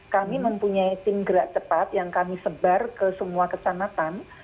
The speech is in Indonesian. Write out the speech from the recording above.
kami mempunyai tim gerak cepat yang kami sebar ke semua kecamatan